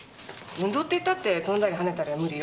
運動って言ったって飛んだり跳ねたりは無理よ。